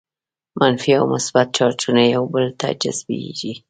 منفي او مثبت چارجونه یو بل ته جذبیږي.